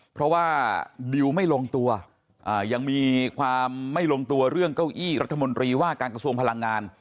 เพราะว่าดิวไม่ลงตัวยังมีความไม่ลงตัวเรื่องเก้าอี้รัฐมนตรีว่าการกระทรวงพลังงาน